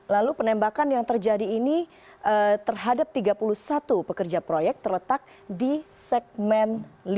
lalu penembakan yang terjadi ini terhadap tiga puluh satu pekerja proyek terletak di segmen lima puluh